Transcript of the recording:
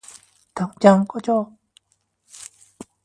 당장 꺼져!